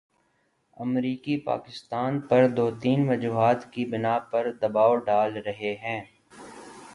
امریکی پاکستان پر دو تین وجوہات کی بنا پر دبائو ڈال رہے ہیں۔